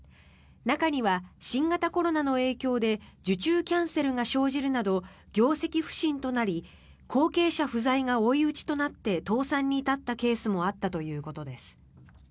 中には新型コロナの影響で受注キャンセルが生じるなど業績不振となり後継者不在が追い打ちとなって倒産に至ったケースもあったということです。